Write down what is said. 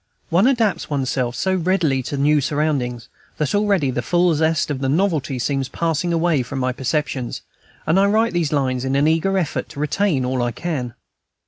One adapts one's self so readily to new surroundings that already the full zest of the novelty seems passing away from my perceptions, and I write these lines in an eager effort to retain all I can.